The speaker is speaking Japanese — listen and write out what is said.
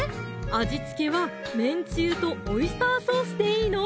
味付けはめんつゆとオイスターソースでいいの？